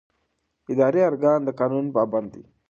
اداري ارګان د قانون پابند دی.